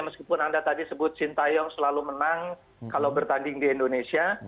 meskipun anda tadi sebut sintayong selalu menang kalau bertanding di indonesia